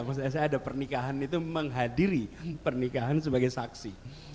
maksudnya saya ada pernikahan itu menghadiri pernikahan sebagai saksi